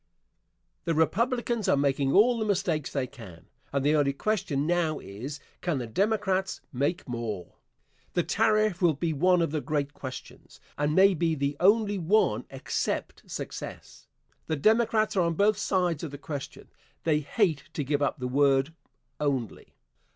Answer. The Republicans are making all the mistakes they can, and the only question now is, Can the Democrats make more? The tariff will be one of the great questions, and may be the only one except success. The Democrats are on both sides of the question. They hate to give up the word "only."